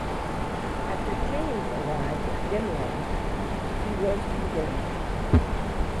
After "James" arrived at Demerara she was condemned.